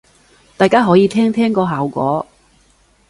大家可以聽聽個效果